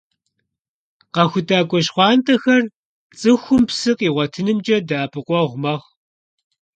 «КъэхутакӀуэ щхъуантӀэхэр» цӀыхум псы къигъуэтынымкӀэ дэӀэпыкъуэгъу мэхъу.